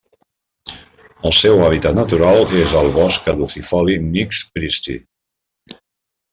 El seu hàbitat natural és al bosc caducifoli mixt pristi.